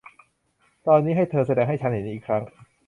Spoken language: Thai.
ตอนนี้ให้เธอแสดงให้ฉันเห็นอีกครั้ง